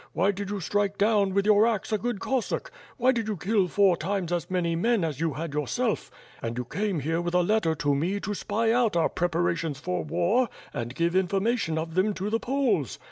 Why did you strike down with }our axe a good Cossack? Why did you kill four times as many men as you had yourself? And you came here with a letter to me to spy out our preparations for war and give information of them to the Poles.